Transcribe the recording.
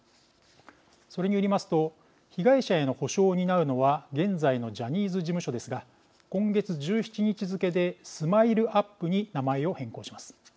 それによりますと被害者への補償を担うのは現在のジャニーズ事務所ですが今月１７日付けでＳＭＩＬＥ−ＵＰ．に名前を変更します。